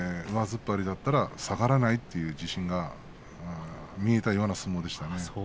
突っ張りだったら下がらないという自信が見えたような相撲でしたね。